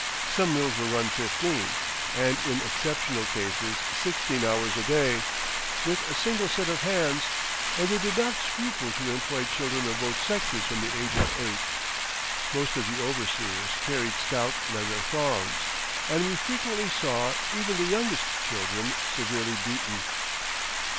Some mills were run fifteen, and in exceptional cases sixteen hours a day, with a single set of hands; and they did not scruple to employ children of both sexes from the age of eight.... Most of the overseers carried stout leather thongs, and we frequently saw even the youngest children severely beaten."